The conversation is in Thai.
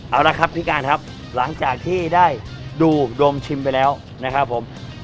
เอาละครับพี่การครับหลังจากที่ได้ดูดมชิมไปแล้วนะครับผม